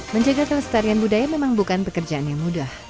menjaga kelestarian budaya memang bukan pekerjaan yang mudah